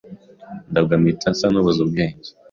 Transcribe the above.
ndagwa mpita nsa n’ubuze ubwenge